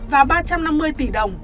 và ba trăm năm mươi tỷ đồng